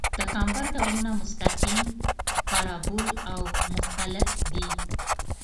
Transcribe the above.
د کمبر ډولونه مستقیم، پارابول او مختلط دي